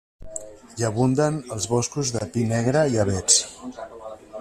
Hi abunden els boscos de pi negre i avets.